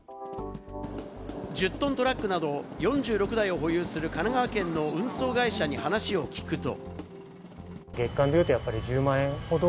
１０トントラックなど、４６台を保有する神奈川県の運送会社に話を聞くと。